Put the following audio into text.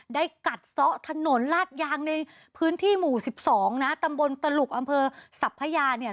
ได้กัดซ็อถนต์ลาดยางในพื้นที่หมู่สิบสองนะตำบลตลุกอัมเภอสัพพยาเนี่ย